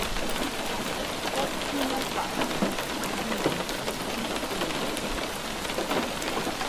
Pɔ́p fínɛ́ paʼtɛ mbɛ́n ɛ́fí ŋu mɛsɔng.